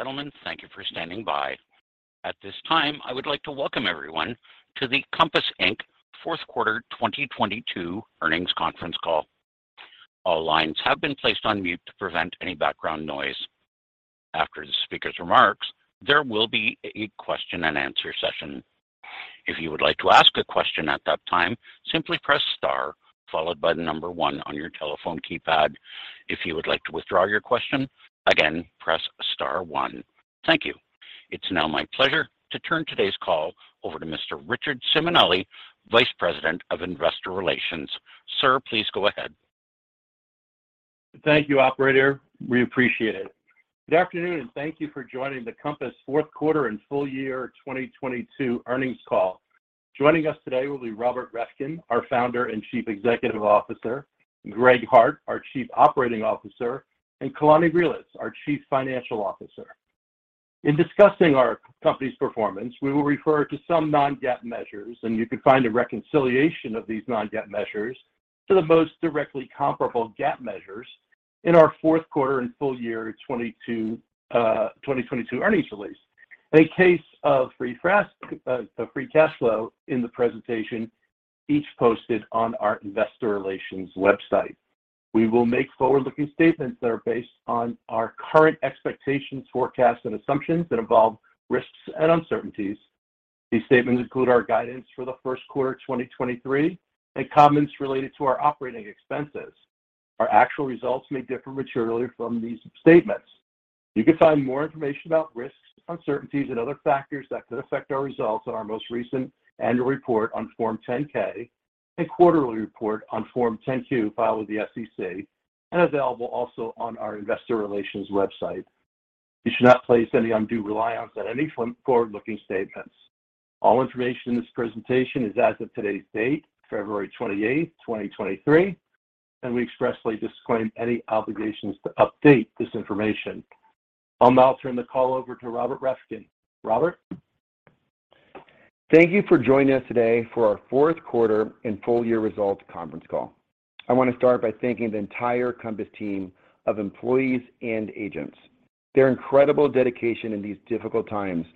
Gentlemen, thank you for standing by. At this time, I would like to welcome everyone to the Compass, Inc. Fourth Quarter 2022 Earnings Conference Call. All lines have been placed on mute to prevent any background noise. After the speaker's remarks, there will be a question and answer session. If you would like to ask a question at that time, simply press star followed by 1 on your telephone keypad. If you would like to withdraw your question, again, press star One. Thank you. It's now my pleasure to turn today's call over to Mr. Richard Simonelli, Vice President of Investor Relations. Sir, please go ahead. Thank you, operator. We appreciate it. Good afternoon, and thank you for joining the Compass fourth quarter and full year 2022 earnings call. Joining us today will be Robert Reffkin, our Founder and Chief Executive Officer, Greg Hart, our Chief Operating Officer, and Kalani Reelitz, our Chief Financial Officer. In discussing our company's performance, we will refer to some non-GAAP measures, and you can find a reconciliation of these non-GAAP measures to the most directly comparable GAAP measures in our fourth quarter and full year 2022 earnings release. In case of free cash flow in the presentation, each posted on our investor relations website. We will make forward-looking statements that are based on our current expectations, forecasts, and assumptions that involve risks and uncertainties. These statements include our guidance for the first quarter 2023 and comments related to our operating expenses. Our actual results may differ materially from these statements. You can find more information about risks, uncertainties, and other factors that could affect our results on our most recent annual report on Form 10-K and quarterly report on Form 10-Q filed with the SEC and available also on our investor relations website. You should not place any undue reliance on any forward-looking statements. All information in this presentation is as of today's date, February 28th, 2023, and we expressly disclaim any obligations to update this information. I'll now turn the call over to Robert Reffkin. Robert. Thank you for joining us today for our fourth quarter and full year results conference call. I wanna start by thanking the entire Compass team of employees and agents. Their incredible dedication in these difficult times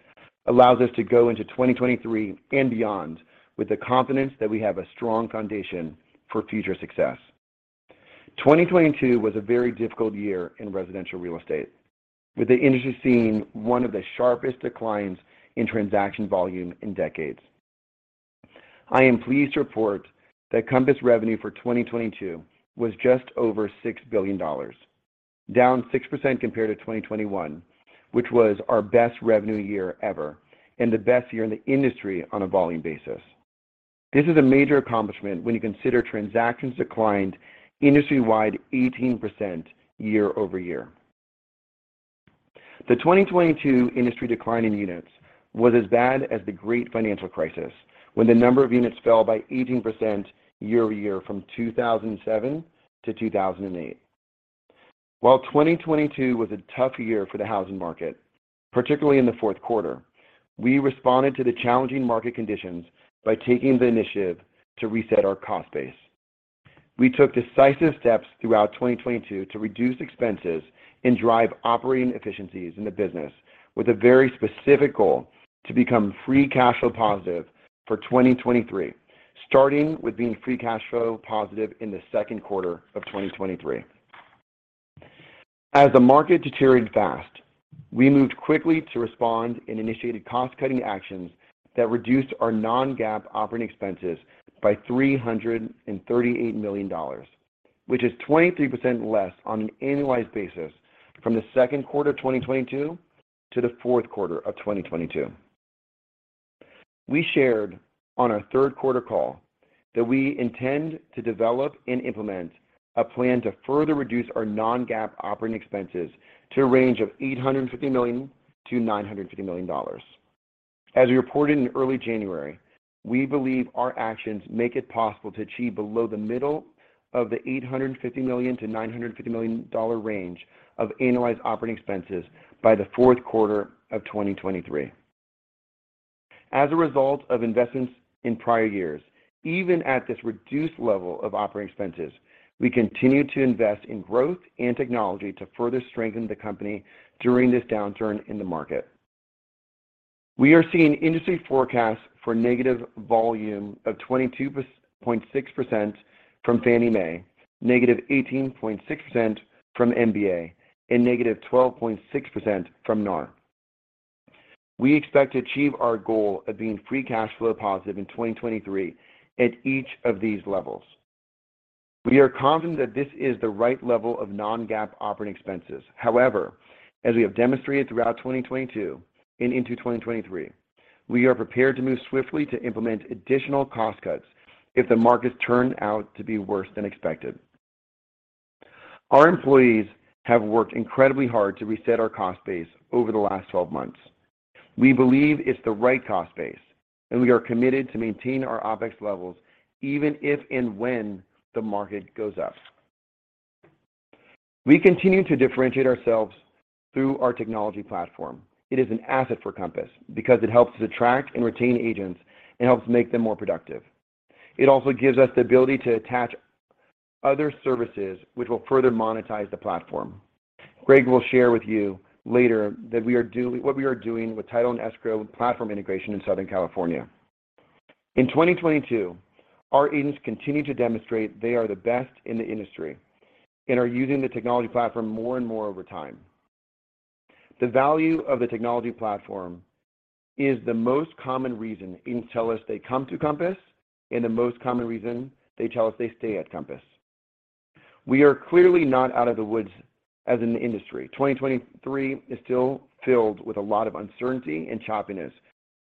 allows us to go into 2023 and beyond with the confidence that we have a strong foundation for future success. 2022 was a very difficult year in residential real estate, with the industry seeing one of the sharpest declines in transaction volume in decades. I am pleased to report that Compass revenue for 2022 was just over $6 billion, down 6% compared to 2021, which was our best revenue year ever and the best year in the industry on a volume basis. This is a major accomplishment when you consider transactions declined industry-wide 18% year-over-year. The 2022 industry decline in units was as bad as the great financial crisis when the number of units fell by 18% year-over-year from 2007 to 2008. While 2022 was a tough year for the housing market, particularly in the fourth quarter, we responded to the challenging market conditions by taking the initiative to reset our cost base. We took decisive steps throughout 2022 to reduce expenses and drive operating efficiencies in the business with a very specific goal to become free cash flow positive for 2023, starting with being free cash flow positive in the second quarter of 2023. As the market deteriorated fast, we moved quickly to respond and initiated cost-cutting actions that reduced our non-GAAP operating expenses by $338 million, which is 23% less on an annualized basis from the second quarter of 2022 to the fourth quarter of 2022. We shared on our third quarter call that we intend to develop and implement a plan to further reduce our non-GAAP operating expenses to a range of $850 million-$950 million. As we reported in early January, we believe our actions make it possible to achieve below the middle of the $850 million-$950 million range of annualized operating expenses by the fourth quarter of 2023. As a result of investments in prior years, even at this reduced level of operating expenses, we continue to invest in growth and technology to further strengthen the company during this downturn in the market. We are seeing industry forecasts for negative volume of 22.6% from Fannie Mae, negative 18.6% from MBA, and negative 12.6% from NAR. We expect to achieve our goal of being free cash flow positive in 2023 at each of these levels. We are confident that this is the right level of non-GAAP operating expenses. However, as we have demonstrated throughout 2022 and into 2023, we are prepared to move swiftly to implement additional cost cuts if the markets turn out to be worse than expected. Our employees have worked incredibly hard to reset our cost base over the last 12 months. We believe it's the right cost base, we are committed to maintaining our OpEx levels even if and when the market goes up. We continue to differentiate ourselves through our technology platform. It is an asset for Compass because it helps to attract and retain agents and helps make them more productive. It also gives us the ability to attach other services which will further monetize the platform. Greg will share with you later that we are what we are doing with Title and Escrow platform integration in Southern California. In 2022, our agents continued to demonstrate they are the best in the industry and are using the technology platform more and more over time. The value of the technology platform is the most common reason agents tell us they come to Compass and the most common reason they tell us they stay at Compass. We are clearly not out of the woods as an industry. 2023 is still filled with a lot of uncertainty and choppiness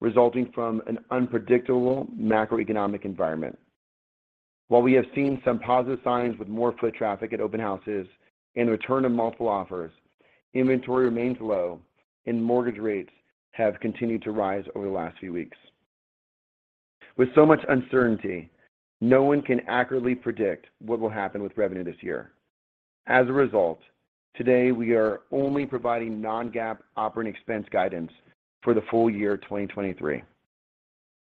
resulting from an unpredictable macroeconomic environment. While we have seen some positive signs with more foot traffic at open houses and a return of multiple offers, inventory remains low and mortgage rates have continued to rise over the last few weeks. With so much uncertainty, no one can accurately predict what will happen with revenue this year. Today we are only providing non-GAAP operating expense guidance for the full year 2023.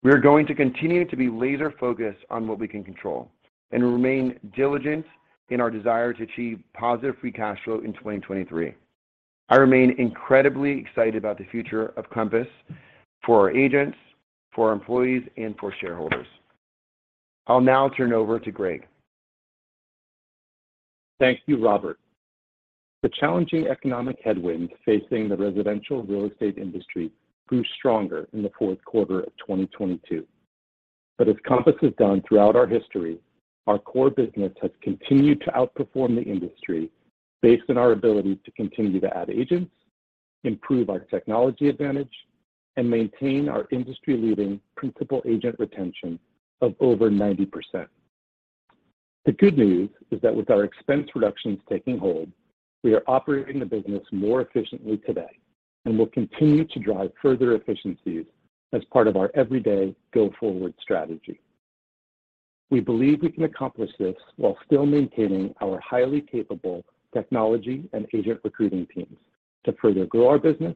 We are going to continue to be laser-focused on what we can control and remain diligent in our desire to achieve positive free cash flow in 2023. I remain incredibly excited about the future of Compass for our agents, for our employees, and for shareholders. I'll now turn over to Greg. Thank you, Robert. The challenging economic headwinds facing the residential real estate industry grew stronger in Q4 2022. As Compass has done throughout our history, our core business has continued to outperform the industry based on our ability to continue to add agents, improve our technology advantage, and maintain our industry-leading principal agent retention of over 90%. The good news is that with our expense reductions taking hold, we are operating the business more efficiently today and will continue to drive further efficiencies as part of our everyday go-forward strategy. We believe we can accomplish this while still maintaining our highly capable technology and agent recruiting teams to further grow our business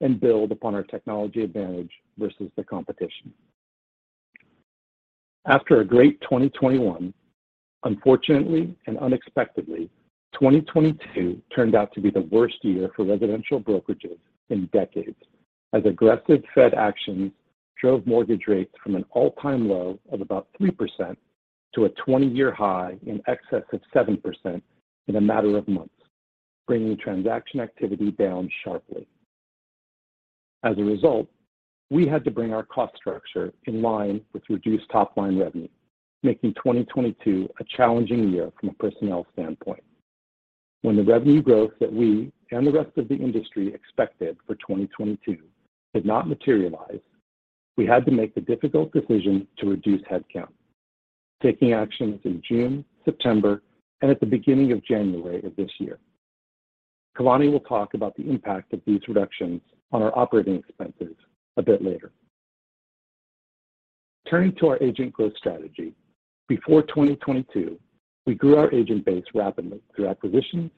and build upon our technology advantage versus the competition. After a great 2021, unfortunately and unexpectedly, 2022 turned out to be the worst year for residential brokerages in decades, as aggressive Fed actions drove mortgage rates from an all-time low of about 3% to a 20-year high in excess of 7% in a matter of months, bringing transaction activity down sharply. A result, we had to bring our cost structure in line with reduced top-line revenue, making 2022 a challenging year from a personnel standpoint. The revenue growth that we and the rest of the industry expected for 2022 did not materialize, we had to make the difficult decision to reduce headcount, taking actions in June, September, and at the beginning of January of this year. Kalani will talk about the impact of these reductions on our operating expenses a bit later. Turning to our agent growth strategy. Before 2022, we grew our agent base rapidly through acquisitions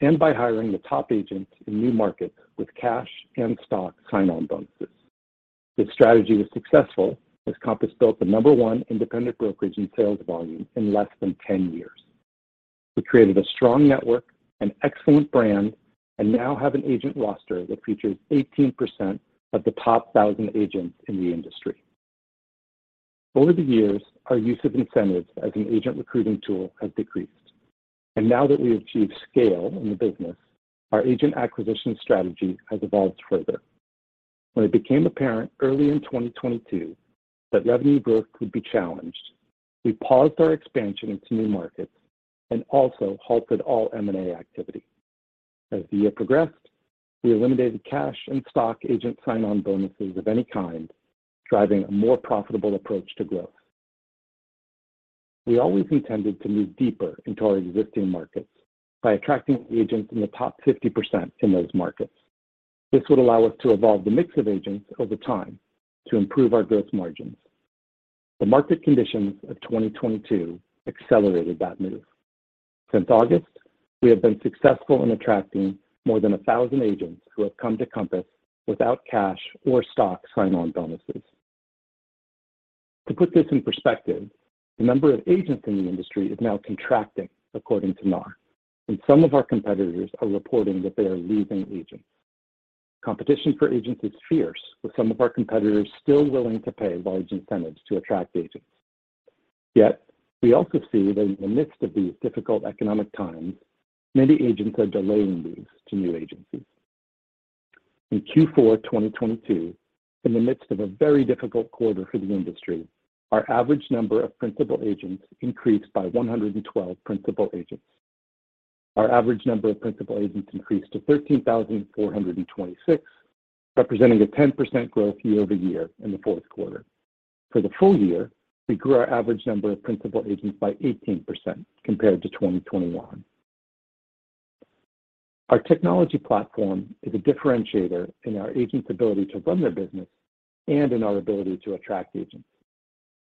and by hiring the top agents in new markets with cash and stock sign-on bonuses. This strategy was successful as Compass built the number one independent brokerage in sales volume in less than 10 years. Now have an agent roster that features 18% of the top 1,000 agents in the industry. Over the years, our use of incentives as an agent recruiting tool has decreased. Now that we have achieved scale in the business, our agent acquisition strategy has evolved further. When it became apparent early in 2022 that revenue growth would be challenged, we paused our expansion into new markets and also halted all M&A activity. As the year progressed, we eliminated cash and stock agent sign-on bonuses of any kind, driving a more profitable approach to growth. We always intended to move deeper into our existing markets by attracting agents in the top 50% in those markets. This would allow us to evolve the mix of agents over time to improve our gross margins. The market conditions of 2022 accelerated that move. Since August, we have been successful in attracting more than 1,000 agents who have come to Compass without cash or stock sign-on bonuses. To put this in perspective, the number of agents in the industry is now contracting, according to NAR, and some of our competitors are reporting that they are losing agents. Competition for agents is fierce, with some of our competitors still willing to pay large incentives to attract agents. We also see that in the midst of these difficult economic times, many agents are delaying moves to new agencies. In Q4 2022, in the midst of a very difficult quarter for the industry, our average number of principal agents increased by 112 principal agents. Our average number of principal agents increased to 13,426, representing a 10% growth year-over-year in the fourth quarter. For the full year, we grew our average number of principal agents by 18% compared to 2021. Our technology platform is a differentiator in our agents' ability to run their business and in our ability to attract agents.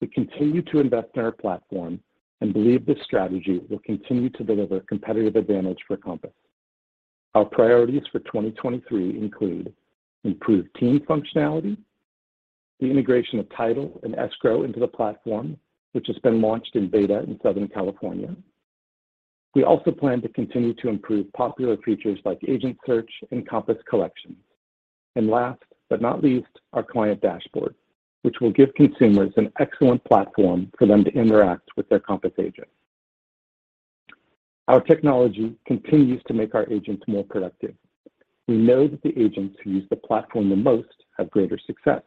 We continue to invest in our platform and believe this strategy will continue to deliver competitive advantage for Compass. Our priorities for 2023 include improved team functionality. The integration of Title and Escrow into the platform, which has been launched in beta in Southern California. We also plan to continue to improve popular features like agent search and Compass Collections. Last but not least, our client dashboard, which will give consumers an excellent platform for them to interact with their Compass agent. Our technology continues to make our agents more productive. We know that the agents who use the platform the most have greater success.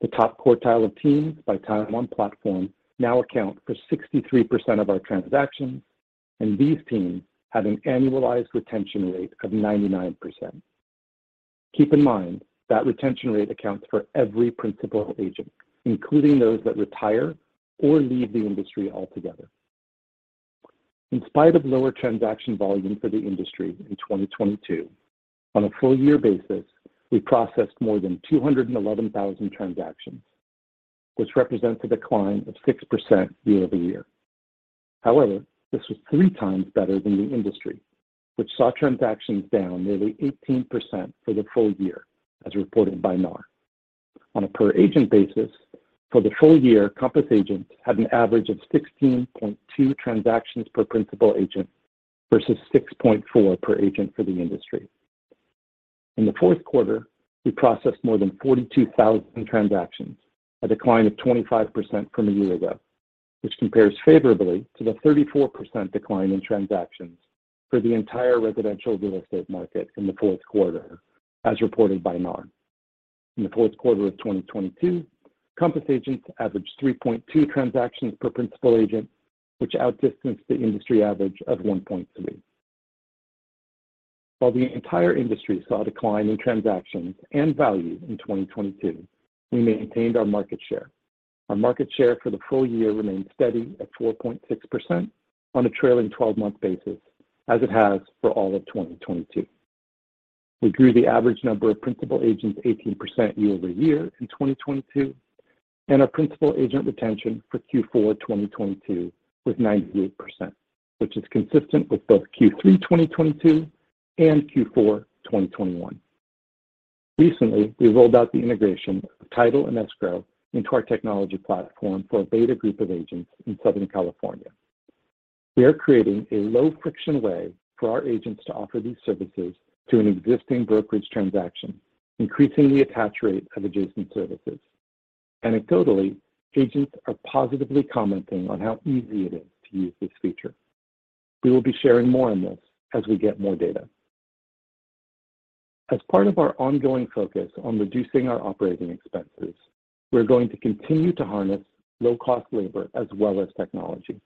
The top quartile of teams by time on platform now account for 63% of our transactions, and these teams have an annualized retention rate of 99%. Keep in mind that retention rate accounts for every Principal Agent, including those that retire or leave the industry altogether. In spite of lower transaction volume for the industry in 2022, on a full year basis, we processed more than 211,000 transactions, which represents a decline of 6% year-over-year. This was 3 times better than the industry, which saw transactions down nearly 18% for the full year, as reported by NAR. On a per agent basis for the full year, Compass agents had an average of 16.2 transactions per principal agent versus 6.4 per agent for the industry. In the fourth quarter, we processed more than 42,000 transactions, a decline of 25% from a year ago, which compares favorably to the 34% decline in transactions for the entire residential real estate market in the fourth quarter as reported by NAR. In the fourth quarter of 2022, Compass agents averaged 3.2 transactions per principal agent, which out distanced the industry average of 1.3. While the entire industry saw a decline in transactions and value in 2022, we maintained our market share. Our market share for the full year remained steady at 4.6% on a trailing 12-month basis, as it has for all of 2022. We grew the average number of principal agents 18% year-over-year in 2022. Our principal agent retention for Q4 2022 was 98%, which is consistent with both Q3 2022 and Q4 2021. Recently, we rolled out the integration of title and escrow into our technology platform for a beta group of agents in Southern California. We are creating a low friction way for our agents to offer these services to an existing brokerage transaction, increasing the attach rate of adjacent services. Anecdotally, agents are positively commenting on how easy it is to use this feature. We will be sharing more on this as we get more data. As part of our ongoing focus on reducing our operating expenses, we are going to continue to harness low cost labor as well as technology.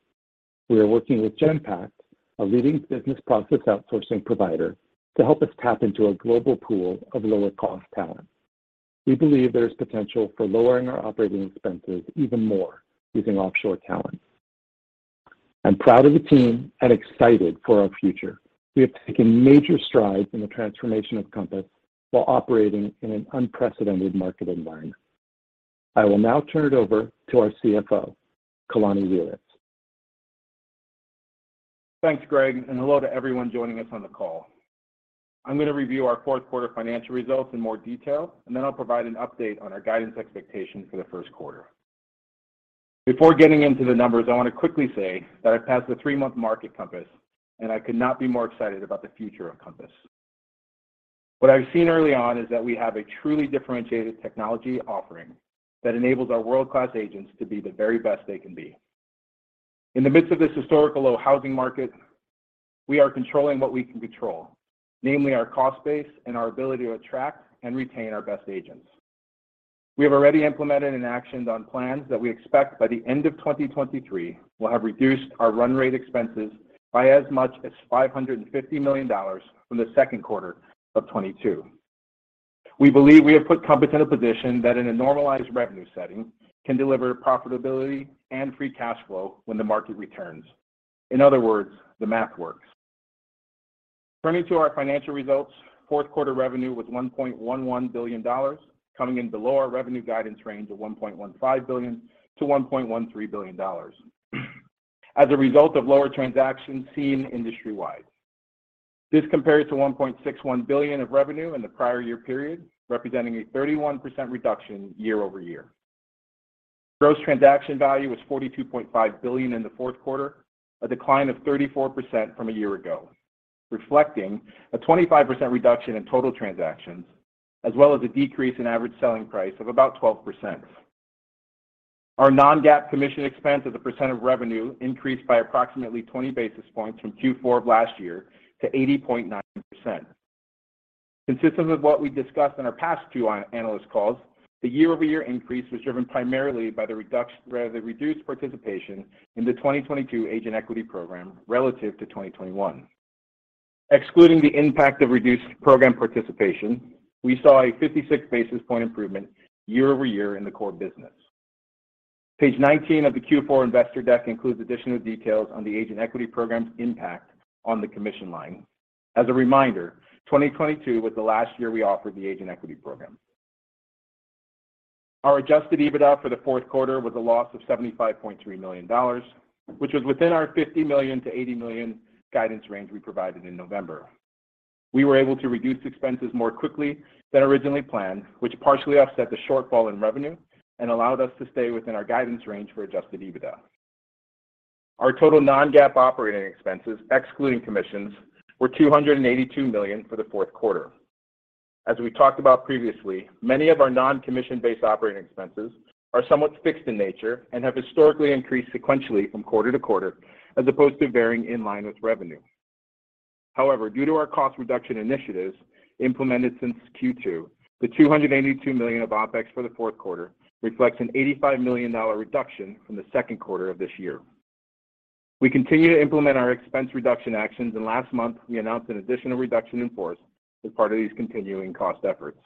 We are working with Genpact, a leading business process outsourcing provider, to help us tap into a global pool of lower cost talent. We believe there is potential for lowering our operating expenses even more using offshore talent. I'm proud of the team and excited for our future. We have taken major strides in the transformation of Compass while operating in an unprecedented market environment. I will now turn it over to our CFO, Kalani Reelitz. Thanks, Greg. Hello to everyone joining us on the call. I'm gonna review our fourth quarter financial results in more detail, and then I'll provide an update on our guidance expectations for the first quarter. Before getting into the numbers, I wanna quickly say that I've passed the 3-month mark at Compass, and I could not be more excited about the future of Compass. What I've seen early on is that we have a truly differentiated technology offering that enables our world-class agents to be the very best they can be. In the midst of this historical low housing market, we are controlling what we can control, namely our cost base and our ability to attract and retain our best agents. We have already implemented and actions on plans that we expect by the end of 2023 will have reduced our run rate expenses by as much as $550 million from the second quarter of 2022. We believe we have put Compass in a position that, in a normalized revenue setting, can deliver profitability and free cash flow when the market returns. In other words, the math works. Turning to our financial results, fourth quarter revenue was $1.11 billion, coming in below our revenue guidance range of $1.15 billion-$1.13 billion as a result of lower transactions seen industry-wide. This compares to $1.61 billion of revenue in the prior year period, representing a 31% reduction year-over-year. Gross transaction value was $42.5 billion in the fourth quarter, a decline of 34% from a year ago, reflecting a 25% reduction in total transactions, as well as a decrease in average selling price of about 12%. Our non-GAAP commission expense as a % of revenue increased by approximately 20 basis points from Q4 of last year to 80.9%. Consistent with what we discussed in our past two analyst calls, the year-over-year increase was driven primarily by the reduced participation in the 2022 Agent Equity Program relative to 2021. Excluding the impact of reduced program participation, we saw a 56 basis point improvement year-over-year in the core business. Page 19 of the Q4 investor deck includes additional details on the Agent Equity Program's impact on the commission line. As a reminder, 2022 was the last year we offered the Agent Equity Program. Our Adjusted EBITDA for the fourth quarter was a loss of $75.3 million, which was within our $50 million-$80 million guidance range we provided in November. We were able to reduce expenses more quickly than originally planned, which partially offset the shortfall in revenue and allowed us to stay within our guidance range for Adjusted EBITDA. Our total non-GAAP operating expenses, excluding commissions, were $282 million for the fourth quarter. As we talked about previously, many of our non-commission-based operating expenses are somewhat fixed in nature and have historically increased sequentially from quarter to quarter as opposed to varying in line with revenue. However, due to our cost reduction initiatives implemented since Q2, the $282 million of OpEx for the fourth quarter reflects an $85 million reduction from the second quarter of this year. We continue to implement our expense reduction actions, and last month, we announced an additional reduction in force as part of these continuing cost efforts.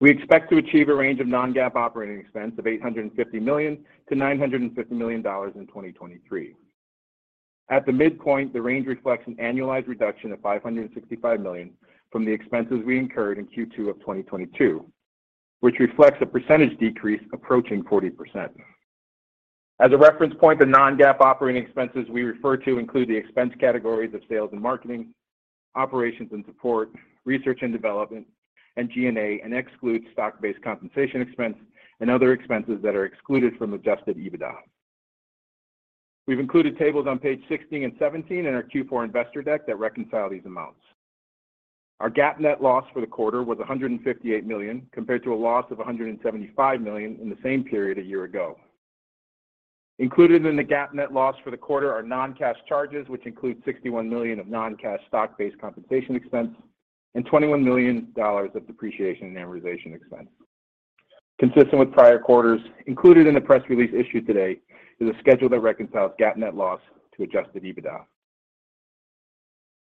We expect to achieve a range of non-GAAP operating expense of $850 million-$950 million in 2023. At the midpoint, the range reflects an annualized reduction of $565 million from the expenses we incurred in Q2 of 2022, which reflects a percentage decrease approaching 40%. As a reference point, the non-GAAP operating expenses we refer to include the expense categories of sales and marketing, operations and support, research and development, and G&A, and excludes stock-based compensation expense and other expenses that are excluded from Adjusted EBITDA. We've included tables on page 16 and 17 in our Q4 investor deck that reconcile these amounts. Our GAAP net loss for the quarter was $158 million, compared to a loss of $175 million in the same period a year ago. Included in the GAAP net loss for the quarter are non-cash charges, which include $61 million of non-cash stock-based compensation expense and $21 million of depreciation and amortization expense. Consistent with prior quarters, included in the press release issued today is a schedule that reconciles GAAP net loss to Adjusted EBITDA.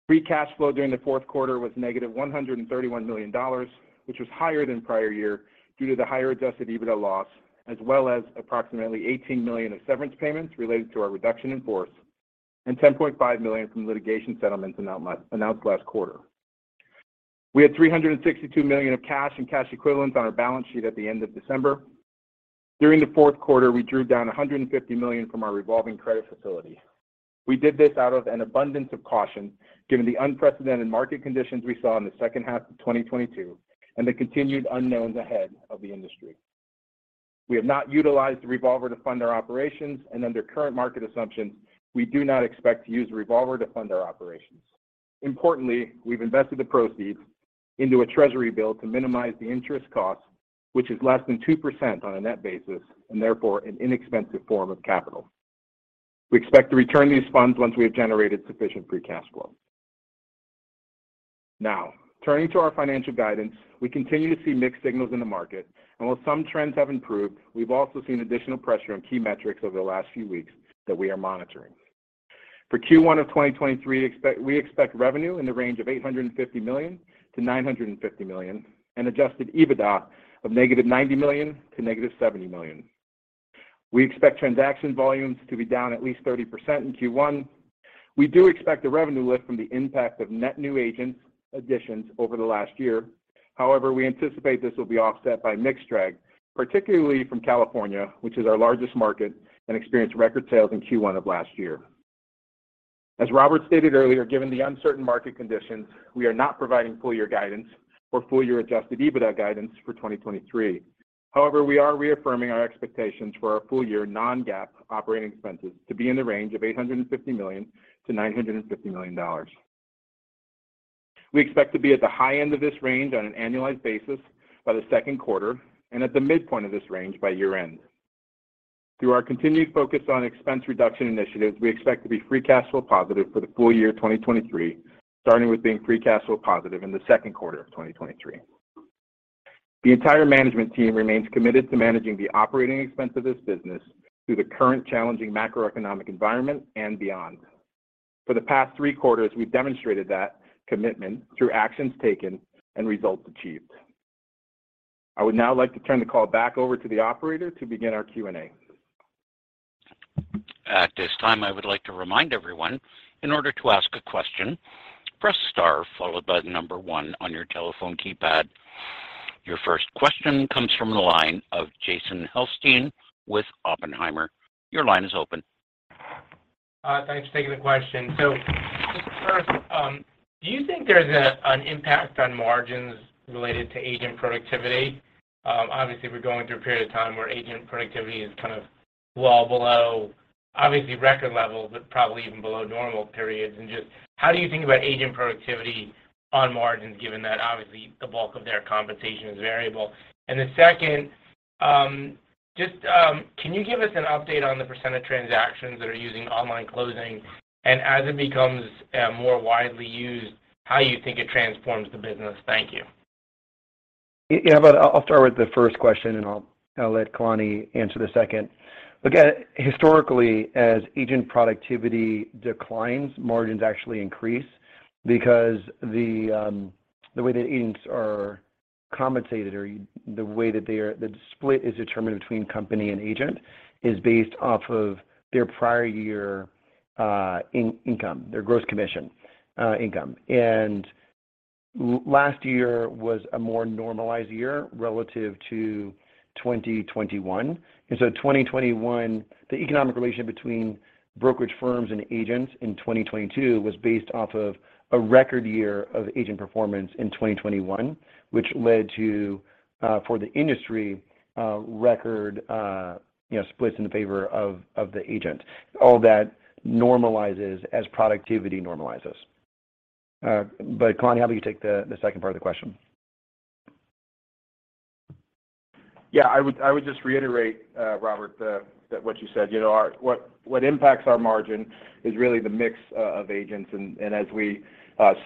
Free cash flow during the fourth quarter was negative $131 million, which was higher than prior year due to the higher Adjusted EBITDA loss, as well as approximately $18 million of severance payments related to our reduction in force and $10.5 million from litigation settlements announced last quarter. We had $362 million of cash and cash equivalents on our balance sheet at the end of December. During the fourth quarter, we drew down $150 million from our revolving credit facility. We did this out of an abundance of caution, given the unprecedented market conditions we saw in the second half of 2022 and the continued unknowns ahead of the industry. We have not utilized the revolver to fund our operations. Under current market assumptions, we do not expect to use the revolver to fund our operations. Importantly, we've invested the proceeds into a Treasury bill to minimize the interest cost, which is less than 2% on a net basis, therefore an inexpensive form of capital. We expect to return these funds once we have generated sufficient free cash flow. Turning to our financial guidance, we continue to see mixed signals in the market. While some trends have improved, we've also seen additional pressure on key metrics over the last few weeks that we are monitoring. For Q1 of 2023, we expect revenue in the range of $850 million-$950 million and Adjusted EBITDA of negative $90 million to negative $70 million. We expect transaction volumes to be down at least 30% in Q1. We do expect a revenue lift from the impact of net new agents additions over the last year. We anticipate this will be offset by mix drag, particularly from California, which is our largest market and experienced record sales in Q1 of last year. As Robert stated earlier, given the uncertain market conditions, we are not providing full year guidance or full year Adjusted EBITDA guidance for 2023. We are reaffirming our expectations for our full year non-GAAP operating expenses to be in the range of $850 million-$950 million. We expect to be at the high end of this range on an annualized basis by the second quarter and at the midpoint of this range by year-end. Through our continued focus on expense reduction initiatives, we expect to be free cash flow positive for the full year 2023, starting with being free cash flow positive in the second quarter of 2023. The entire management team remains committed to managing the operating expense of this business through the current challenging macroeconomic environment and beyond. For the past three quarters, we've demonstrated that commitment through actions taken and results achieved. I would now like to turn the call back over to the operator to begin our Q&A. At this time, I would like to remind everyone, in order to ask a question, press star followed by the number 1 on your telephone keypad. Your first question comes from the line of Jason Helfstein with Oppenheimer. Your line is open. Thanks for taking the question. Just first, do you think there's an impact on margins related to agent productivity? Obviously we're going through a period of time where agent productivity is kind of well below obviously record levels, but probably even below normal periods. Just how do you think about agent productivity on margins, given that obviously the bulk of their compensation is variable? Then second, just, can you give us an update on the % of transactions that are using online closing? As it becomes, more widely used, how you think it transforms the business? Thank you. Yeah. I'll start with the first question, and I'll let Kalani answer the second.. Look, historically, as agent productivity declines, margins actually increase because the way that agents are compensated or the way that they are the split is determined between company and agent is based off of their prior year in-income, their gross commission income. Last year was a more normalized year relative to 2021. 2021, the economic relationship between brokerage firms and agents in 2022 was based off of a record year of agent performance in 2021, which led to for the industry, record, you know, splits in the favor of the agent. All that normalizes as productivity normalizes. Kalani, how about you take the second part of the question? Yeah, I would just reiterate, Robert, that what you said. You know, what impacts our margin is really the mix of agents. As we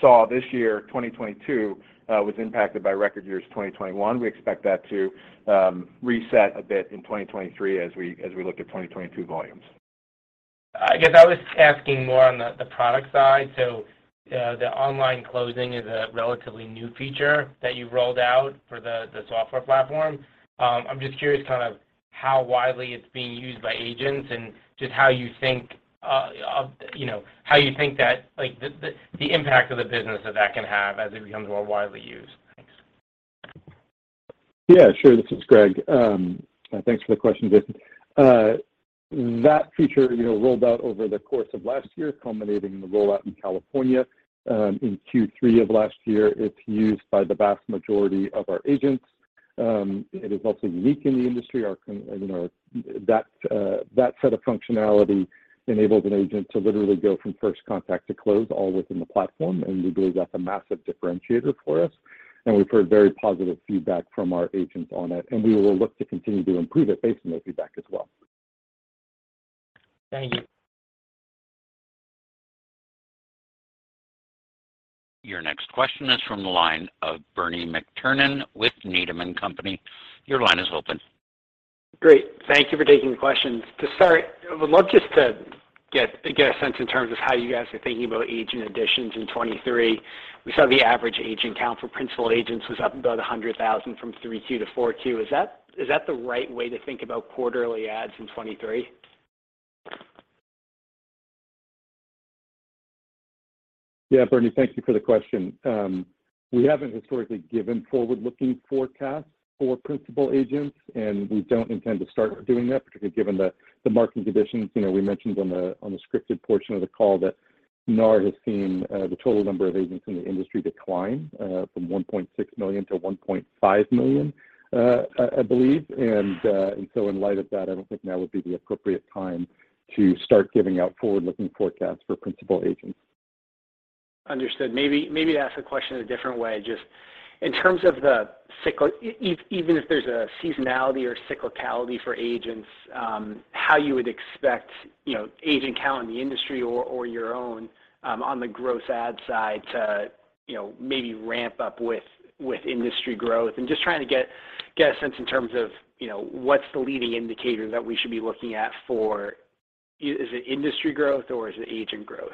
saw this year, 2022, was impacted by record years 2021. We expect that to reset a bit in 2023 as we look at 2022 volumes. I guess I was asking more on the product side. The online closing is a relatively new feature that you've rolled out for the software platform. I'm just curious kind of how widely it's being used by agents and just how you think, of, you know, how you think that, like, the impact of the business that can have as it becomes more widely used. Thanks. Yeah, sure. This is Greg. Thanks for the question, Jason. That feature, you know, rolled out over the course of last year, culminating in the rollout in California in Q3 of last year. It's used by the vast majority of our agents. It is also unique in the industry. You know, that set of functionality enables an agent to literally go from first contact to close all within the platform. We believe that's a massive differentiator for us. We've heard very positive feedback from our agents on it. We will look to continue to improve it based on their feedback as well. Thank you. Your next question is from the line of Bernie McTernan with Needham & Company. Your line is open. Great. Thank you for taking the questions. To start, I would love just to get a sense in terms of how you guys are thinking about agent additions in 2023. We saw the average agent count for principal agents was up about 100,000 from three Q to four Q. Is that, is that the right way to think about quarterly adds in 2023? Yeah, Bernie, thank you for the question. We haven't historically given forward-looking forecasts for principal agents, and we don't intend to start doing that, particularly given the market conditions. You know, we mentioned on the scripted portion of the call that NAR has seen the total number of agents in the industry decline from 1.6 million to 1.5 million, I believe. In light of that, I don't think now would be the appropriate time to start giving out forward-looking forecasts for principal agents. Understood. Maybe to ask the question a different way. Just in terms of the Even if there's a seasonality or cyclicality for agents, how you would expect, you know, agent count in the industry or your own on the gross add side to, you know, maybe ramp up with industry growth. Just trying to get a sense in terms of, you know, what's the leading indicator that we should be looking at for. Is it industry growth or is it agent growth?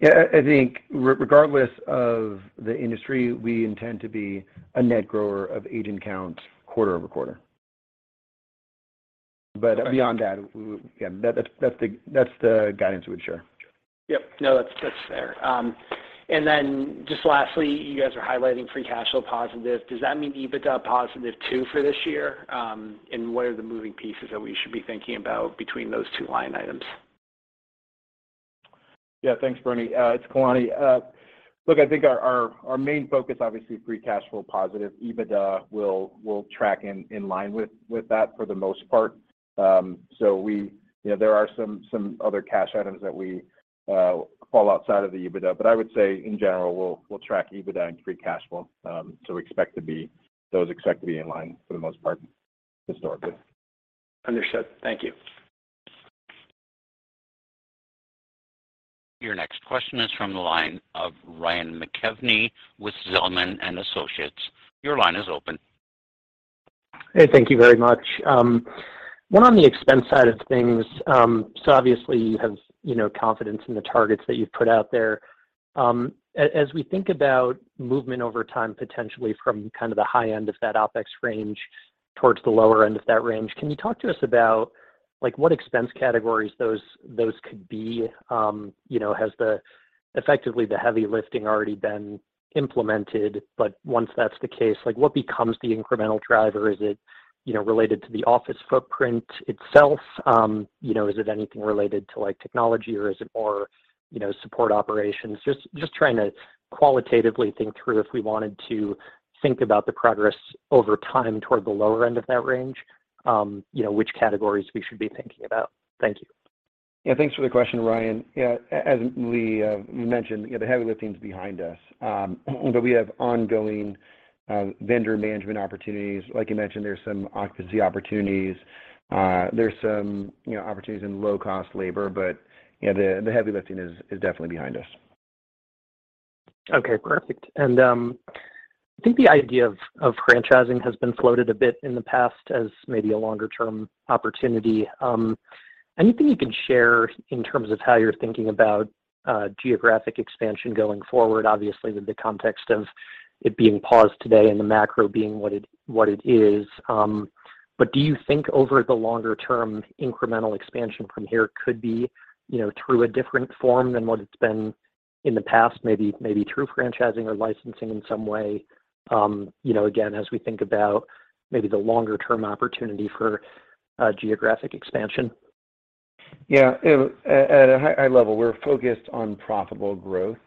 Yeah. I think regardless of the industry, we intend to be a net grower of agent count quarter-over-quarter. Beyond that, we Yeah, that's the guidance we'd share. Yep. No, that's fair. Just lastly, you guys are highlighting free cash flow positive. Does that mean EBITDA positive too for this year? What are the moving pieces that we should be thinking about between those two line items? Yeah. Thanks, Bernie. It's Kalani. Look, I think our main focus, obviously free cash flow positive. EBITDA will track in line with that for the most part. You know, there are some other cash items that we fall outside of the EBITDA. I would say in general, we'll track EBITDA and free cash flow. Those expect to be in line for the most part historically. Understood. Thank you. Your next question is from the line of Ryan McKeveny with Zelman & Associates. Your line is open. Hey, thank you very much. One on the expense side of things. Obviously you have, you know, confidence in the targets that you've put out there. As we think about movement over time, potentially from kind of the high end of that OpEx range towards the lower end of that range, can you talk to us about, like, what expense categories those could be? Has effectively the heavy lifting already been implemented, but once that's the case, like, what becomes the incremental driver? Is it related to the office footprint itself? Is it anything related to, like, technology, or is it more support operations? Just trying to qualitatively think through if we wanted to think about the progress over time toward the lower end of that range, you know, which categories we should be thinking about. Thank you. Yeah. Thanks for the question, Ryan. Yeah. As we mentioned, you know, the heavy lifting's behind us. We have ongoing vendor management opportunities. Like you mentioned, there's some occupancy opportunities. There's some, you know, opportunities in low-cost labor. Yeah, the heavy lifting is definitely behind us. Okay, perfect. I think the idea of franchising has been floated a bit in the past as maybe a longer term opportunity. Anything you can share in terms of how you're thinking about geographic expansion going forward, obviously with the context of? It being paused today and the macro being what it is. Do you think over the longer term, incremental expansion from here could be, you know, through a different form than what it's been in the past? Maybe through franchising or licensing in some way? You know, again, as we think about maybe the longer-term opportunity for geographic expansion. Yeah. You know, at a high level, we're focused on profitable growth.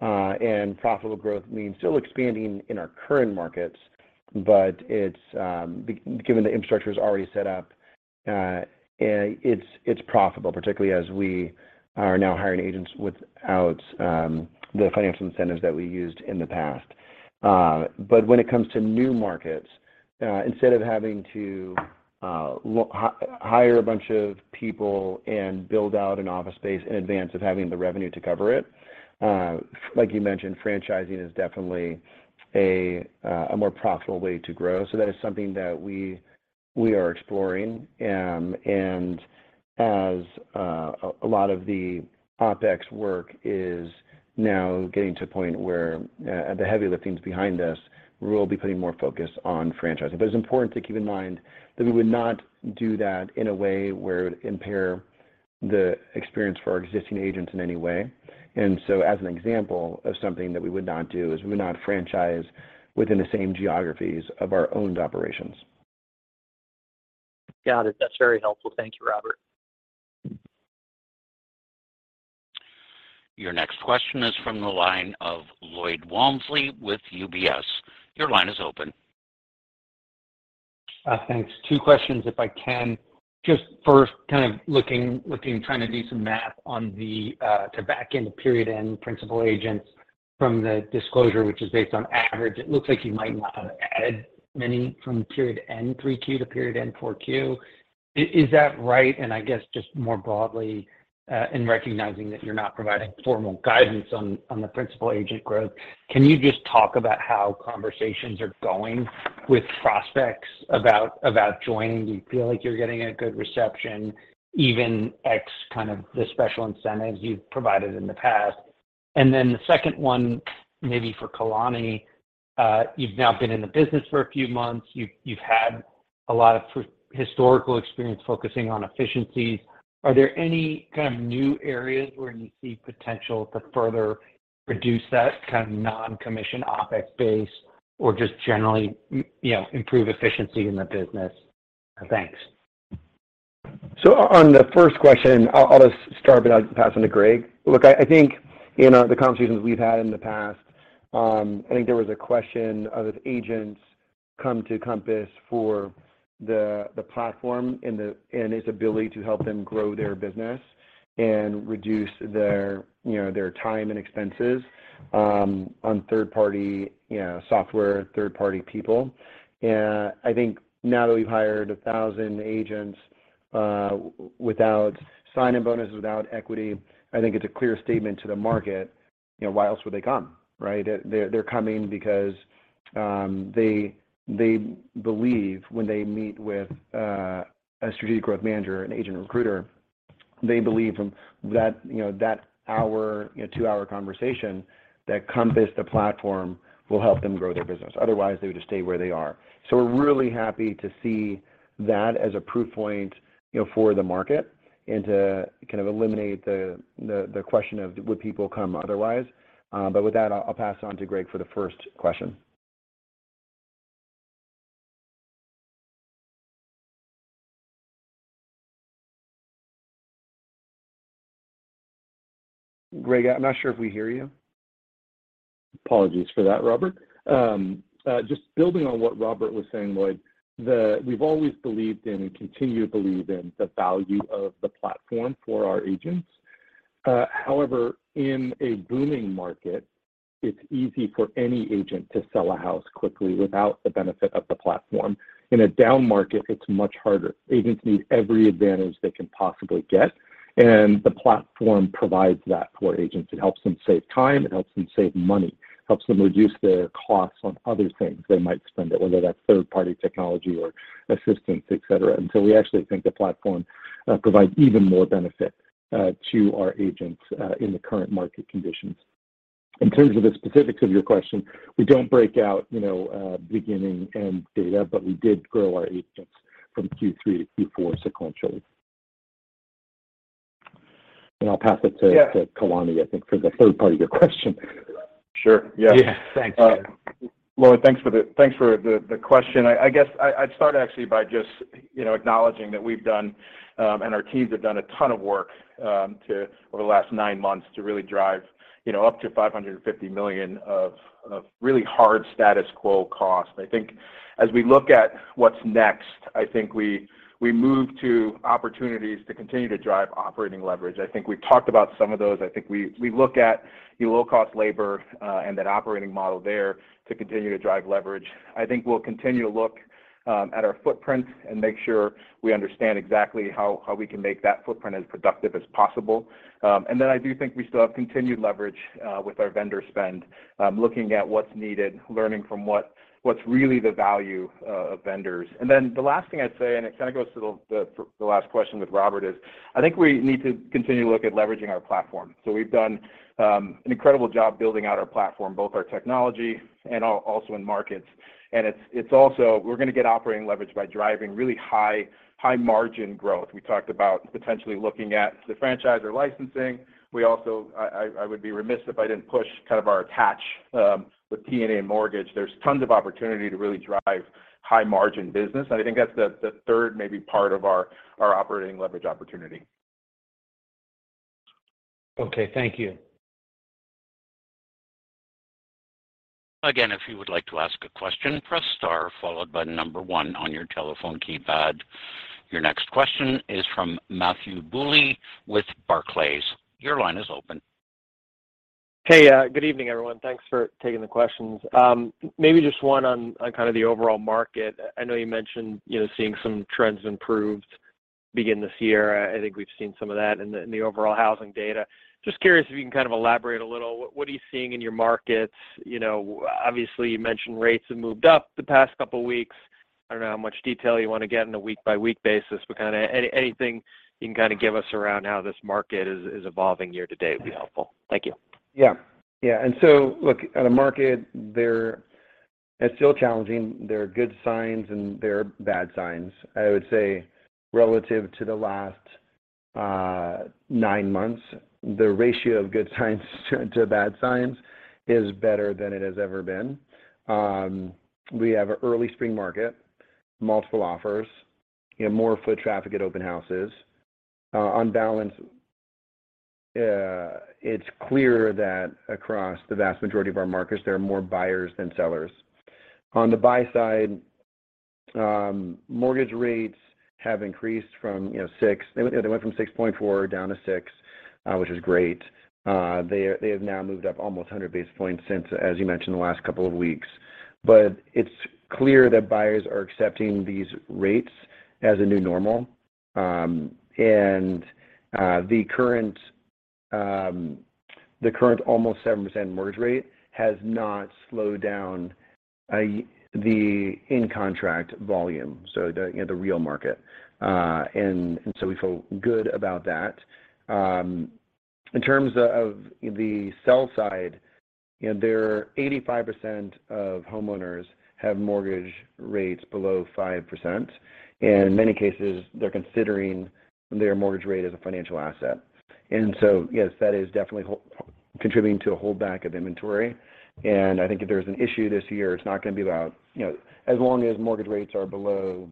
Profitable growth means still expanding in our current markets, but it's given the infrastructure's already set up, and it's profitable, particularly as we are now hiring agents without the financial incentives that we used in the past. When it comes to new markets, instead of having to hire a bunch of people and build out an office space in advance of having the revenue to cover it, like you mentioned, franchising is definitely a more profitable way to grow. That is something that we are exploring. As a lot of the OpEx work is now getting to a point where the heavy lifting is behind us, we will be putting more focus on franchising. It's important to keep in mind that we would not do that in a way where it would impair the experience for our existing agents in any way. As an example of something that we would not do is we would not franchise within the same geographies of our owned operations. Got it. That's very helpful. Thank you, Robert. Your next question is from the line of Lloyd Walmsley with UBS. Your line is open. Thanks. Two questions, if I can. Just first, kind of looking, trying to do some math on the to back-end the period-end principal agents from the disclosure, which is based on average. It looks like you might not have added many from period N 3Q to period N 4Q. Is that right? I guess just more broadly, in recognizing that you're not providing formal guidance on the principal agent growth, can you just talk about how conversations are going with prospects about joining? Do you feel like you're getting a good reception, even ex kind of the special incentives you've provided in the past? Then the second one, maybe for Kalani, you've now been in the business for a few months. You've had a lot of historical experience focusing on efficiencies. Are there any kind of new areas where you see potential to further reduce that kind of non-commission OpEx base or just generally, you know, improve efficiency in the business? Thanks. On the first question, I'll just start, but I'll pass on to Greg. Look, I think in the conversations we've had in the past, I think there was a question of if agents come to Compass for the platform and its ability to help them grow their business and reduce their, you know, their time and expenses on third-party, you know, software, third-party people. I think now that we've hired 1,000 agents without sign-in bonuses, without equity, I think it's a clear statement to the market, you know, why else would they come, right? They're coming because they believe when they meet with a strategic growth manager and agent recruiter, they believe from that, you know, that hour, you know, two-hour conversation that Compass, the platform, will help them grow their business. Otherwise, they would just stay where they are. We're really happy to see that as a proof point, you know, for the market and to kind of eliminate the question of would people come otherwise. With that, I'll pass on to Greg for the first question. Greg, I'm not sure if we hear you. Apologies for that, Robert. Just building on what Robert was saying, Lloyd, we've always believed in and continue to believe in the value of the platform for our agents. However, in a booming market, it's easy for any agent to sell a house quickly without the benefit of the platform. In a down market, it's much harder. Agents need every advantage they can possibly get, and the platform provides that for agents. It helps them save time, it helps them save money, helps them reduce their costs on other things they might spend it, whether that's third-party technology or assistance, et cetera. We actually think the platform provides even more benefit to our agents in the current market conditions. In terms of the specifics of your question, we don't break out, you know, beginning and end data, but we did grow our agents from Q3 to Q4 sequentially. I'll pass it. Yeah... to Kalani, I think, for the third part of your question. Sure. Yeah. Yeah. Thanks. Lloyd, thanks for the question. I guess I'd start actually by just, you know, acknowledging that we've done, and our teams have done a ton of work, over the last nine months to really drive, you know, up to $550 million of really hard status quo cost. I think as we look at what's next, I think we move to opportunities to continue to drive operating leverage. I think we've talked about some of those. I think we look at the low-cost labor, and that operating model there to continue to drive leverage. I think we'll continue to look at our footprint and make sure we understand exactly how we can make that footprint as productive as possible. I do think we still have continued leverage with our vendor spend, looking at what's needed, learning from what's really the value of vendors. The last thing I'd say, and it kind of goes to the last question with Robert, is I think we need to continue to look at leveraging our platform. We've done an incredible job building out our platform, both our technology and also in markets. It's also, we're gonna get operating leverage by driving really high margin growth. We talked about potentially looking at the franchisor licensing. We also, I would be remiss if I didn't push kind of our attach with TNA Mortgage. There's tons of opportunity to really drive high margin business, and I think that's the third maybe part of our operating leverage opportunity. Okay. Thank you. If you would like to ask a question, press star followed by 1 on your telephone keypad. Your next question is from Matthew Bouley with Barclays. Your line is open. Hey, good evening, everyone. Thanks for taking the questions. Maybe just one on kind of the overall market. I know you mentioned, you know, seeing some trends improved to begin this year. I think we've seen some of that in the overall housing data. Just curious if you can kind of elaborate a little. What are you seeing in your markets? You know, obviously, you mentioned rates have moved up the past couple of weeks. I don't know how much detail you wanna get on a week-by-week basis, but kinda anything you can kinda give us around how this market is evolving year to date would be helpful. Thank you. Yeah. Yeah. Look, on the market, it's still challenging. There are good signs, and there are bad signs. I would say relative to the last nine months, the ratio of good signs to bad signs is better than it has ever been. We have a early spring market, multiple offers, you know, more foot traffic at open houses. On balance, it's clear that across the vast majority of our markets, there are more buyers than sellers. On the buy side, mortgage rates have increased from, you know, 6.4 down to 6, which is great. They have now moved up almost 100 base points since, as you mentioned, the last couple of weeks. It's clear that buyers are accepting these rates as a new normal. The current almost 7% mortgage rate has not slowed down the in-contract volume, so the, you know, the real market. We feel good about that. In terms of the sell side, you know, there are 85% of homeowners have mortgage rates below 5%, and in many cases, they're considering their mortgage rate as a financial asset. Yes, that is definitely contributing to a holdback of inventory. I think if there's an issue this year, it's not gonna be about, you know, as long as mortgage rates are below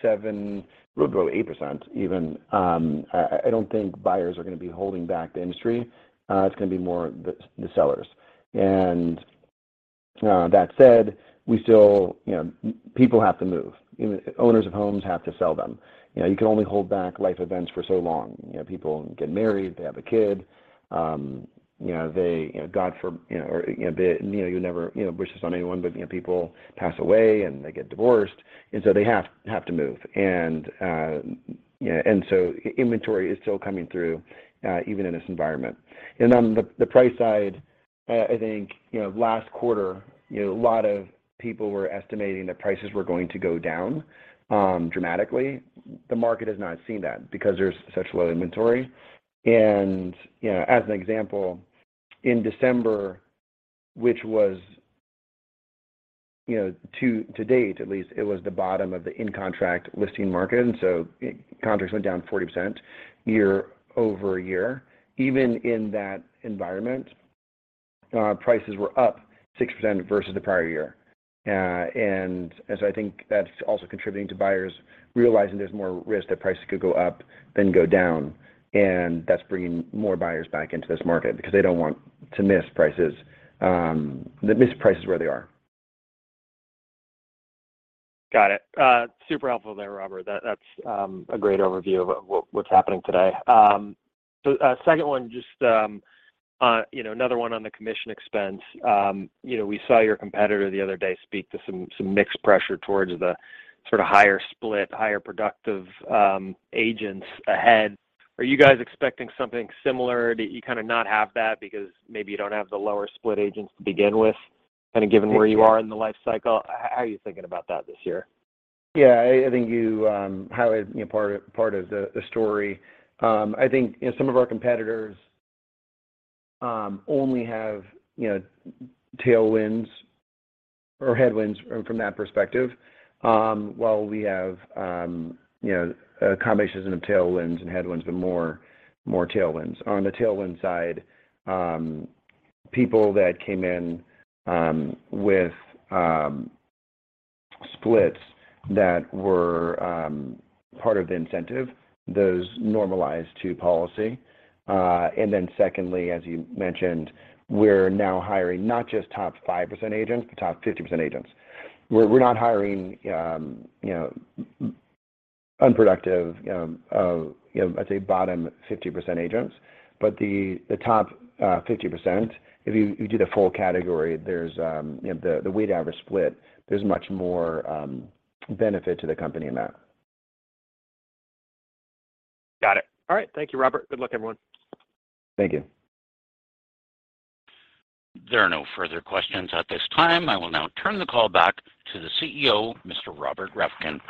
7, really below 8% even, I don't think buyers are gonna be holding back the industry. It's gonna be more the sellers. That said, we still, you know, people have to move. You know, owners of homes have to sell them. You know, you can only hold back life events for so long. You know, people get married, they have a kid. You know, they, you know, or, you know, they, you know, you never, you know, wish this on anyone, but, you know, people pass away, and they get divorced, and so they have to move. You know, and so inventory is still coming through, even in this environment. On the price side, I think, you know, last quarter, you know, a lot of people were estimating that prices were going to go down, dramatically. The market has not seen that because there's such low inventory. You know, as an example, in December, which was, you know, to date at least, it was the bottom of the in-contract listing market, and so contracts went down 40% year-over-year. Even in that environment, prices were up 6% versus the prior year. I think that's also contributing to buyers realizing there's more risk that prices could go up than go down, and that's bringing more buyers back into this market because they don't want to miss prices, miss prices where they are. Got it. Super helpful there, Robert. That's a great overview of what's happening today. Second one, just, you know, another one on the commission expense. You know, we saw your competitor the other day speak to some mixed pressure towards the sort of higher split, higher productive agents ahead. Are you guys expecting something similar? Do you kinda not have that because maybe you don't have the lower split agents to begin with, kinda given where you are in the life cycle? How are you thinking about that this year? Yeah. I think you highlighted, you know, part of the story. I think, you know, some of our competitors, only have, you know, tailwinds or headwinds from that perspective, while we have, you know, a combination of tailwinds and headwinds, but more tailwinds. On the tailwind side, people that came in, with splits that were part of the incentive, those normalized to policy. Secondly, as you mentioned, we're now hiring not just top 5% agents, but top 50% agents. We're not hiring, you know, unproductive, you know, I'd say bottom 50% agents. The top 50%, if you do the full category, there's, you know, the weight average split, there's much more benefit to the company in that. Got it. All right. Thank you, Robert. Good luck, everyone. Thank you. There are no further questions at this time. I will now turn the call back to the CEO, Mr. Robert Reffkin.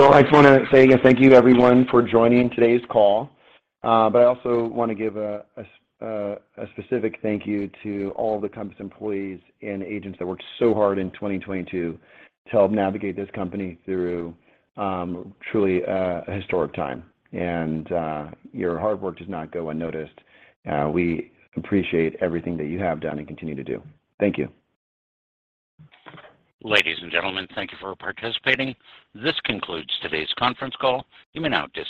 I just wanna say again thank you everyone for joining today's call. I also wanna give a specific thank you to all the Compass employees and agents that worked so hard in 2022 to help navigate this company through truly a historic time. Your hard work does not go unnoticed. We appreciate everything that you have done and continue to do. Thank you. Ladies and gentlemen, thank you for participating. This concludes today's conference call. You may now dis-